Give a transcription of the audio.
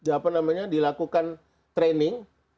apa namanya dilakukan training